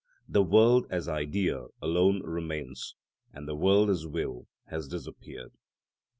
The world as idea alone remains, and the world as will has disappeared.